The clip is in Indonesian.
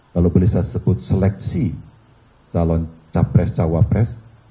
kalau boleh saya sebut seleksi calon capres cawapres